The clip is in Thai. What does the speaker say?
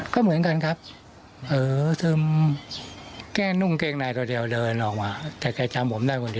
ตุ้นหนังไปไปครับ